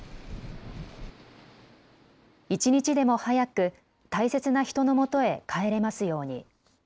一日でも早く大切な人の元へ帰れますように。